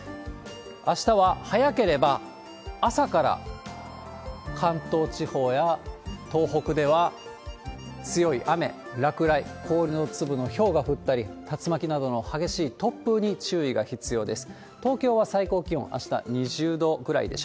あしたは早ければ朝から関東地方や東北では強い雨、落雷、氷の粒のひょうが降ったり、竜巻などの激しい突風に注意が必要です。